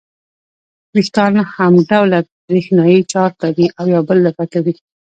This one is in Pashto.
وېښتان همډوله برېښنايي چارج لري او یو بل دفع کوي.